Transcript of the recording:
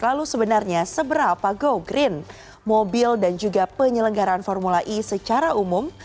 lalu sebenarnya seberapa go green mobil dan juga penyelenggaraan formula e secara umum